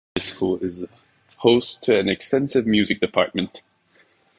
Scotch Plains-Fanwood High School is host to an extensive music department.